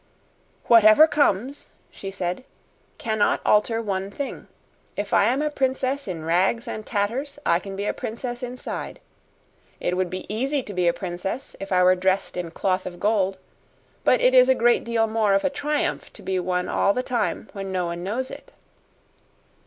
"Whatever comes," she said, "cannot alter one thing. If I am a princess in rags and tatters, I can be a princess inside. It would be easy to be a princess if I were dressed in cloth of gold, but it is a great deal more of a triumph to be one all the time when no one knows it.